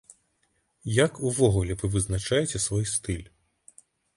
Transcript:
Як увогуле вы вызначаеце свой стыль?